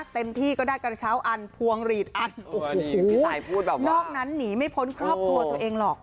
เต็มที่ก็ได้กระเช้าอันพวงหลีดอันโอ้โหนอกนั้นหนีไม่พ้นครอบครัวตัวเองหรอก